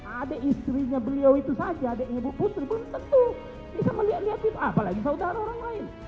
adik istrinya beliau itu saja adik ibu putri pun tentu bisa melihat lihat itu apalagi saudara orang lain